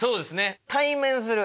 「対面する」